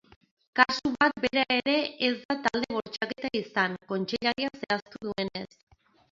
Kasu bat bera ere ez da talde bortxaketa izan, kontseilariak zehaztu duenez.